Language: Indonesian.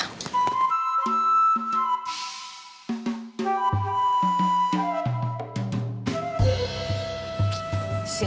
nggak ada apa apa